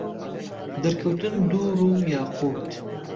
دهرکهوتن دوڕڕ و یاقووت